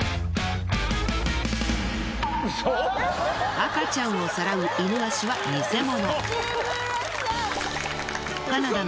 赤ちゃんをさらうイヌワシは偽物。